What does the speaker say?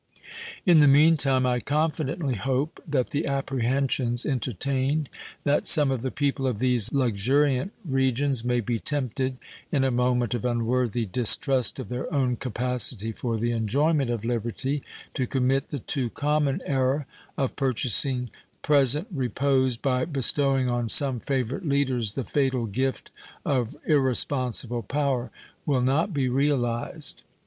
In the mean time I confidently hope that the apprehensions entertained that some of the people of these luxuriant regions may be tempted, in a moment of unworthy distrust of their own capacity for the enjoyment of liberty, to commit the too common error of purchasing present repose by bestowing on some favorite leaders the fatal gift of irresponsible power will not be realized.